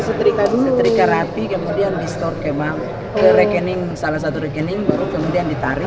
setrika setrika rapi kemudian di store ke bank ke salah satu rekening baru kemudian ditarik